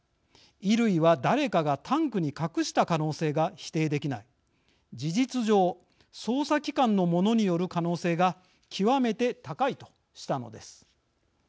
衣類は誰かがタンクに隠した可能性が否定できない事実上、捜査機関の者による可能性が極めて高いとしたのです。